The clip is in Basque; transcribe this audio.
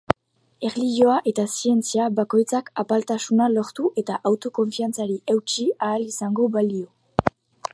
Erlijioa eta zientzia, bakoitzak apaltasuna lortu eta autokonfiantzari eutsi ahal izango balio.